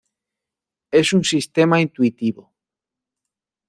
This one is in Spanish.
Es un sistema intuitivo.